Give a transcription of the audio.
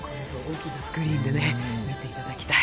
ぜひスクリーンで見ていただきたい。